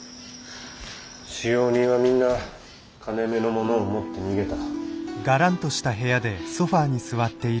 使用人はみんな金めの物を持って逃げた。